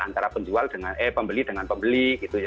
antara pembeli dengan pembeli gitu ya